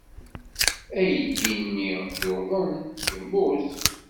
Aydi-nni yuḍen, yemmut.